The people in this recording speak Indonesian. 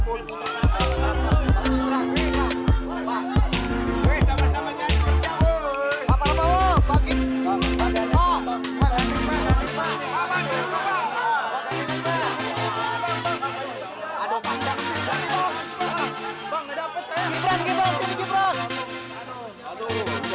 hai teman teman foto dulu